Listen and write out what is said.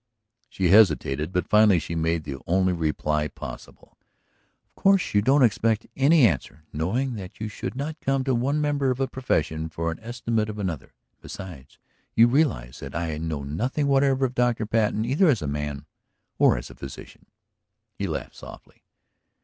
She hesitated. But finally she made the only reply possible. "Of course you don't expect any answer, knowing that you should not come to one member of a profession for an estimate of another. And, besides, you realize that I know nothing whatever of Dr. Patten, either as a man or as a physician." He laughed softly.